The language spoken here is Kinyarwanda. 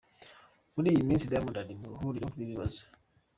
Muri iyi minsi Diamiond ari mu ruhuri rw'ibibazo.